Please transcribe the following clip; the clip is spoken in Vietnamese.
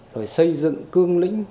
rồi xây dựng cương lính